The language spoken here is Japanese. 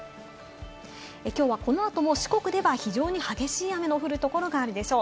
きょうはこの後も四国では非常に激しい雨の降るところがあるでしょう。